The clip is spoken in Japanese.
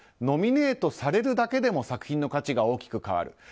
ノミネートされるだけでも作品の価値が大きく変わる。